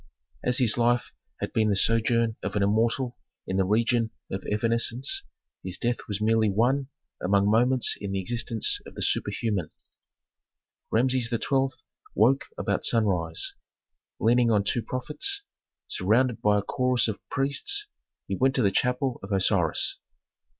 As his life had been the sojourn of an immortal in the region of evanescence, his death was merely one among moments in the existence of the superhuman. Rameses XII. woke about sunrise; leaning on two prophets, surrounded by a chorus of priests, he went to the chapel of Osiris.